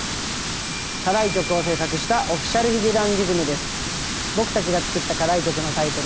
課題曲を制作したＯｆｆｉｃｉａｌ髭男ｄｉｓｍです。